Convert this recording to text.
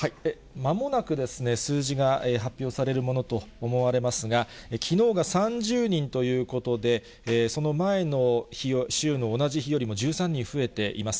まもなく数字が発表されるものと思われますが、きのうが３０人ということで、その前の週の同じ日よりも１３人増えています。